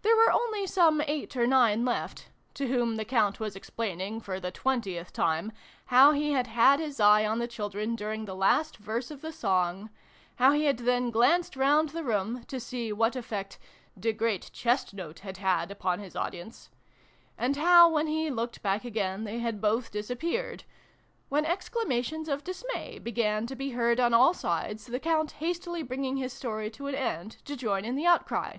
There were only some eight or nine left to whom the Count was explaining, for the twentieth time, how he had had his eye on the xvi] BEYOND THESE VOICES. 253 children during the last verse of the song ; how he had then glanced round the room, to see what effect " de great chest note " had had upon his audience ; and how, when he looked back again, they had both disappeared when exclamations of dismay began to be heard on all sides, the Count hastily bringing his story to an end to join in the outcry.